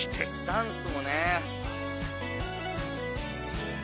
ダンスもね。